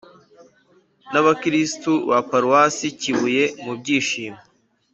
n’abakristu ba paruwasi kibuye mu byishimo